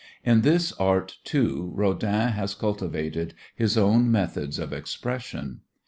In this Art, too, Rodin has cultivated his own methods of expression.